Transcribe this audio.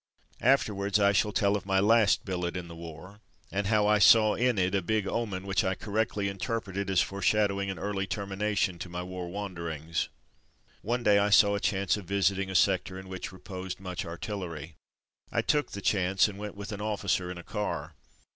Afterwards I shall tell of my last billet in the war and how I saw in it a big omen which I correctly interpreted as fore shadowing an early termination to my war wanderings. 1 8 273 274 From Mud to Mufti One day I saw a chance of visiting a sector in which reposed much artillery. I took the chance, and went with an officer in a car.